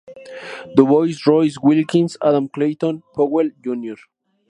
Du Bois, Roy Wilkins, Adam Clayton Powell, Jr.